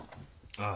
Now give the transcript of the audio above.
ああ。